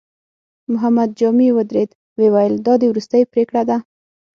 محمد جامي ودرېد، ويې ويل: دا دې وروستۍ پرېکړه ده؟